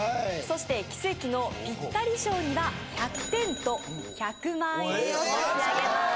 そして奇跡のピッタリ賞には１００点と１００万円を差し上げます